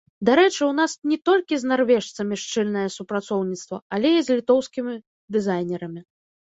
Дарэчы, у нас не толькі з нарвежцамі шчыльнае супрацоўніцтва, але і з літоўскімі дызайнерамі.